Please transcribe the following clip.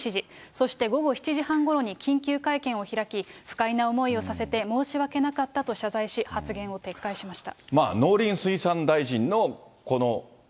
そして午後７時半ごろに緊急会見を開き、不快な思いをさせて申し訳なかったと謝罪し、発言を撤回しました。